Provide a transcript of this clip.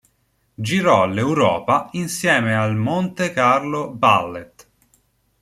Girò l'Europa insieme al "Monte Carlo Ballet".